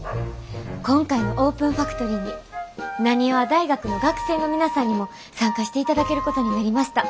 今回のオープンファクトリーに浪速大学の学生の皆さんにも参加していただけることになりました。